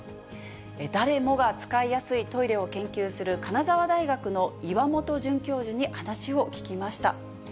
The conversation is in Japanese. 誰もが使いやすいトイレを研究する金沢大学の岩本准教授に話を聞きました。